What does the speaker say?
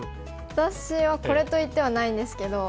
私はこれといってはないんですけど。